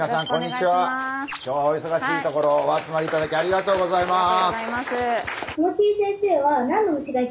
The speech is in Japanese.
今日はおいそがしいところお集まりいただきありがとうございます。